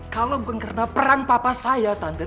kalau bukan karena perang papa saya tante